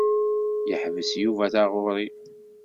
Yeḥbes Yuba taɣuṛi.